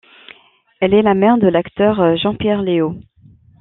Elle est la mère de l'acteur Jean-Pierre Léaud.